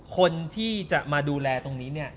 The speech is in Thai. คนที่จะมาดูแลตรงนี้เนี่ย